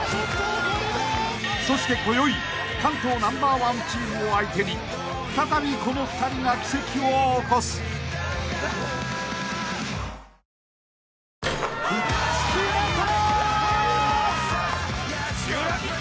［そしてこよい関東Ｎｏ．１チームを相手に再びこの２人が奇跡を起こす］決まった！